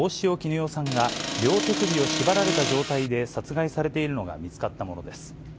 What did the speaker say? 与さんが、両手首を縛られた状態で殺害されているのが見つかったものです。